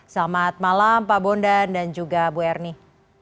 selamat malam pak bondan dan juga bu ernie